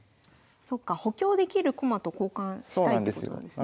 そっか補強できる駒と交換したいってことなんですね。